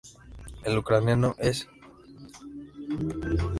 En ucraniano, es "Пролетарі всіх країн, єднайтеся!